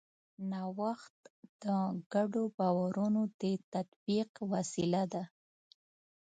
نوښت د ګډو باورونو د تطبیق وسیله ده.